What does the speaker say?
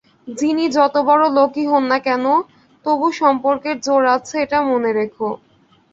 যিনি যতবড়ো লোকই হোক-না কেন, তবু সম্পর্কের জোর আছে এটা মনে রেখো।